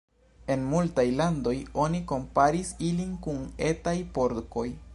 En multaj landoj oni komparis ilin kun etaj porkoj.